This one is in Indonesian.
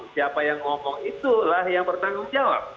siapa yang ngomong itulah yang bertanggung jawab